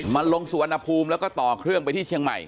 มันลงสุวรรณภูมิแล้วก็ต่อเครื่องไปที่เชียงใหม่